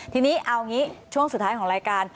ทีนี้เอางี้ช่วงสุดท้ายของรายการ